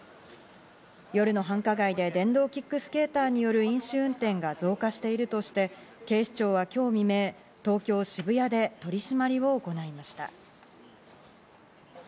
夜の繁華街で電動キックスケーターによる飲酒運転が増加しているとして、警視庁は今日未明、東京・渋谷で取り締まりを行いました。